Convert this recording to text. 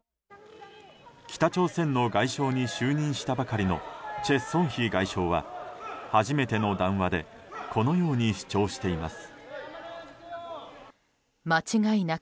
北朝鮮の外相に就任したばかりのチェ・ソンヒ外相は初めての談話でこのように主張しています。